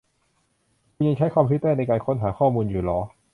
คุณยังใช้คอมพิวเตอร์ในการค้นหาข้อมูลอยู่หรอ